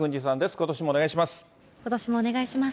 ことしもお願いします。